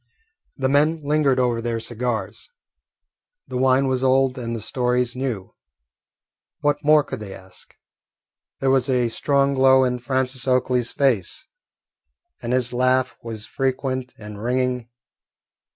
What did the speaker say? The men lingered over their cigars. The wine was old and the stories new. What more could they ask? There was a strong glow in Francis Oakley's face, and his laugh was frequent and ringing.